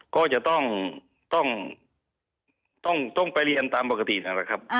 ก็จะต้องไปเรียนตามปกตินะครับ